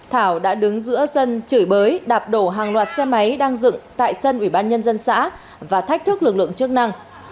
thảo đã đứng giữa sân chửi bới đạp đổ hàng loạt xe máy đang dựng tại sân ubnd xã và thách thức lực lượng chức năng